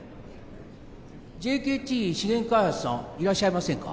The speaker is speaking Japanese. ＪＫＴ資源開発さんいらっしゃいませんか？